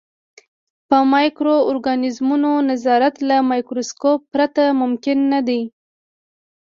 په مایکرو ارګانیزمونو نظارت له مایکروسکوپ پرته ممکن نه دی.